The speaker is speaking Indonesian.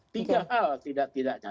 tiga hal tidak tidaknya